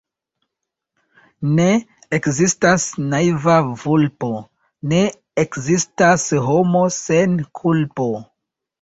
Ne ekzistas naiva vulpo, ne ekzistas homo sen kulpo.